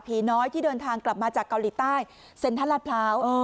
น้อยที่เดินทางกลับมาจากเกาหลีใต้เซ็นทรัลลาดพร้าว